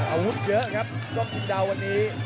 อาวุธเยอะครับจริงเดาวันนี้